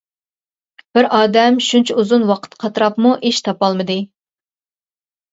بىر ئادەم شۇنچە ئۇزۇن ۋاقىت قاتراپمۇ ئىش تاپالمىدى.